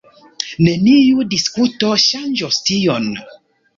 Neniu diskuto ŝanĝos tion.